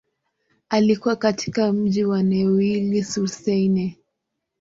Alikua katika mji wa Neuilly-sur-Seine.